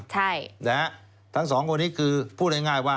ใช่นะฮะทั้งสองคนนี้คือพูดง่ายว่า